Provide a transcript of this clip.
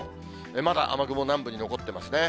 まだ雨雲、南部に残っていますね。